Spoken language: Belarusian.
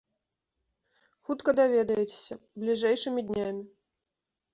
Хутка даведаецеся, бліжэйшымі днямі.